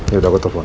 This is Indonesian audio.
yaudah aku telfon